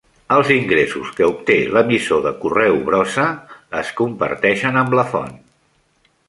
Els ingressos que obté l'emissor de correu brossa es comparteixen amb la font.